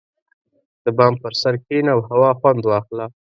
• د بام پر سر کښېنه او هوا خوند واخله.